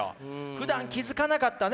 ふだん気付かなかったね